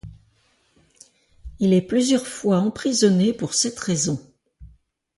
Il est plusieurs fois emprisonné pour cette raison.